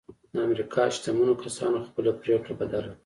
د امريکا شتمنو کسانو خپله پرېکړه بدله کړه.